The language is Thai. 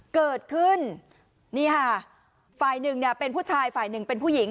เกิดขึ้นนี่ค่ะฝ่ายหนึ่งเนี่ยเป็นผู้ชายฝ่ายหนึ่งเป็นผู้หญิง